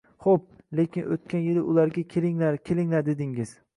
Hop, lekin o‘tgan yili ularga kelinglar kelinglar dedingiz